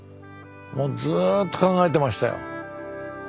もうずっと考えてましたよ。